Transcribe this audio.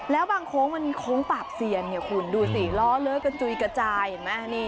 แล้วบางโค้งมันโค้งปากเซียนเนี่ยคุณดูสิล้อเลอะกระจุยกระจายเห็นไหม